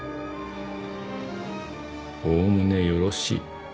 おおむねよろしい。